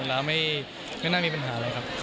มะกะลาไม่ไม่น่ามีปัญหาอะไรครับ